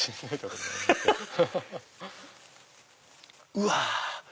うわ！